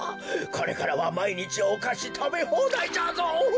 これからはまいにちおかしたべほうだいじゃぞ。